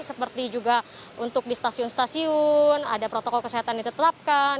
seperti juga untuk di stasiun stasiun ada protokol kesehatan ditetapkan